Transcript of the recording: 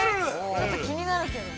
◆ちょっと気になるけどな。